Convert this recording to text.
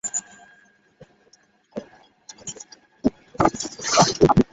দুটি কেন্দ্রশাসিত অঞ্চল জম্মু ও কাশ্মীর এবং লাদাখ।